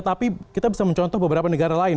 tapi kita bisa mencontoh beberapa negara lain